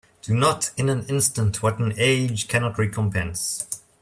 Do not in an instant what an age cannot recompense.